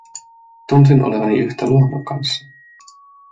Tunsin olevani yhtä luonnon kanssa.